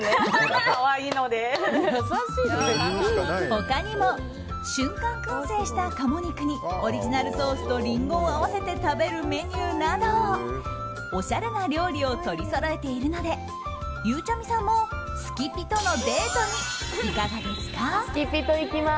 他にも瞬間燻製した鴨肉にオリジナルソースとリンゴを合わせて食べるメニューなどおしゃれな料理を取りそろえているのでゆうちゃみさんも好きピとのデートにいかがですか？